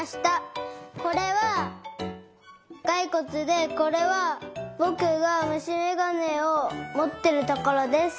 これはがいこつでこれはぼくがむしめがねをもってるところです。